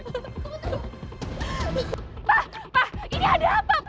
pak pak ini ada apa pak